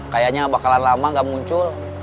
kayaknya bakalan lama gak muncul